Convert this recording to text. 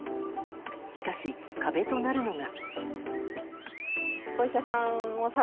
しかし、壁となるのが。